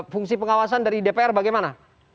fungsi pengawasan dari dpr bagaimana